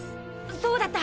そうだった！